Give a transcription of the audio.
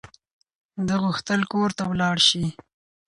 ده غوښتل کور ته ولاړ شي.